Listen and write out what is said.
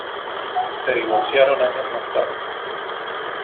Se divorciaron años más tarde.